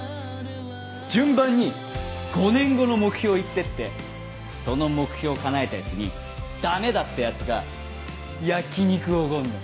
順番に５年後の目標言ってってその目標をかなえたヤツにダメだったヤツが焼き肉おごるの。